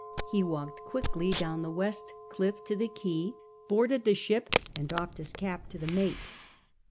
lie walked quickly down the west cl ill* to the quay, boarded the ship, and doHed his cap to the mate.